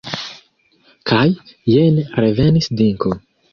Kaj jen revenis Dinko.